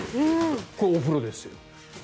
これがお風呂です